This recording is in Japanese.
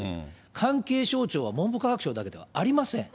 関係省庁は文部科学省だけではありません。